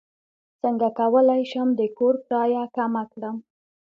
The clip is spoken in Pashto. څنګه کولی شم د کور کرایه کمه کړم